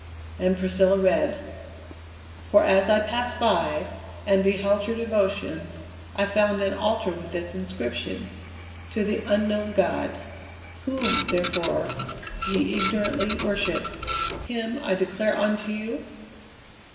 And Priscilla read: "'For as I passed by, and beheld your devotions, I found an altar with this inscription, To the Unknown God. Whom, therefore, ye ignorantly worship, him I declare unto you?'"